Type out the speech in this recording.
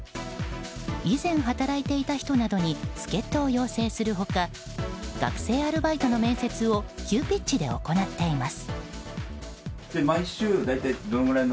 以前働いていた人などに助っ人を要請する他学生アルバイトの面接を急ピッチで行っています。